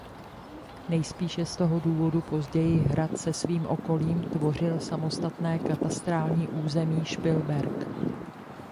Nejspíše z toho důvodu později hrad se svým okolím tvořil samostatné katastrální území Špilberk.